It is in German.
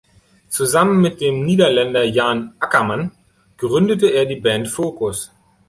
Zusammen mit dem Niederländer Jan Akkerman gründete er die Band Focus.